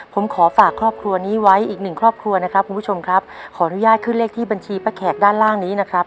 ผมขอฝากครอบครัวนี้ไว้อีกหนึ่งครอบครัวนะครับคุณผู้ชมครับขออนุญาตขึ้นเลขที่บัญชีป้าแขกด้านล่างนี้นะครับ